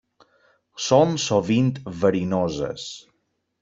Són sovint verinoses.